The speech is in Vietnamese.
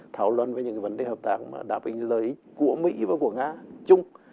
thảo luận với những cái vấn đề hợp tác đáp ứng lợi ích của mỹ và của nga chung